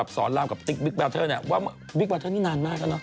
กับสอนรามกับติ๊กวิกแบลเทอร์เนี่ย